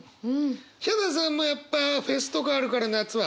ヒャダさんもやっぱフェスとかあるから夏は。